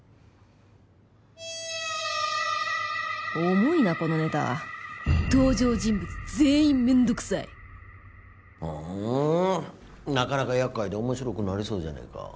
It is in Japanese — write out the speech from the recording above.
重いなこのネタ登場人物全員面倒くさいふんなかなか厄介で面白くなりそうじゃねえか。